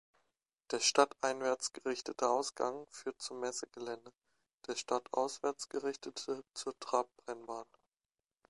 Der stadteinwärts gerichtete Ausgang führt zum Messegelände, der stadtauswärts gerichtete zur Trabrennbahn.